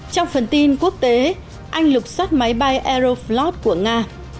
trong phần tin quốc tế anh lục xót máy bay aeroflot của nga